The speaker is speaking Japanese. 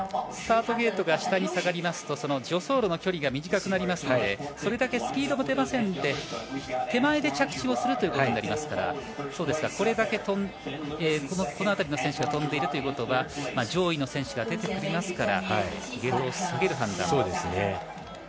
スタートゲートが下に下がりますと助走路の距離が短くなりますのでそれだけスピードも出ませんので手前で着地をするということになりますからこの辺りの選手が飛んでいるということは上位の選手が出てきますからゲートを下げる判断もあると。